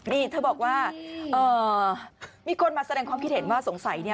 นี่เธอบอกว่ามีคนมาแสดงความคิดเห็นว่าสงสัยเนี่ย